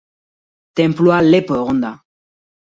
Tenplua lepo egon da.